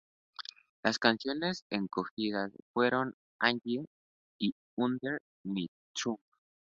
Las canciones escogidas fueron "Angie" y "Under My Thumb".